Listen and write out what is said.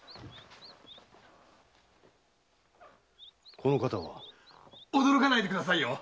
この方は？驚かないでくださいよ。